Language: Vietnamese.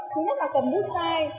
thứ nhất là cầm bút sai